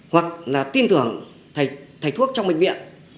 hoặc là tin tưởng thầy thuốc trong bệnh viện